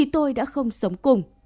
tôi đã không sống cùng